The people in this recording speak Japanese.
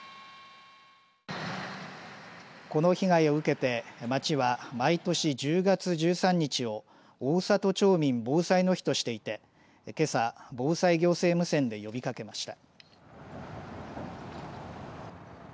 この被害を受けて、町は毎年１０月１３日を大郷町民防災の日としていて、けさ防災行政無線で呼びかけました。